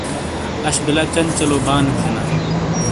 اش بلہ چنچلو بانے تھینا۔